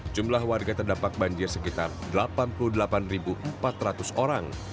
jumlah warga terdampak banjir sekitar delapan puluh delapan empat ratus orang